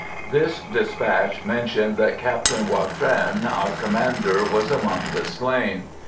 This despatch mentioned that Captain Watrin, our commander, was among the slain.